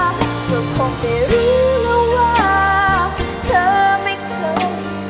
เธอคงได้รู้แล้วว่าเธอไม่คลุม